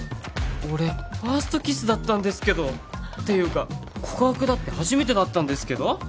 俺ファーストキスだったんですけど！？っていうか告白だって初めてだったんですけど！？